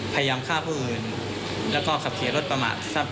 พยายามฆ่าผู้อื่นและก็ขับขี่ข้าวรถประหมาก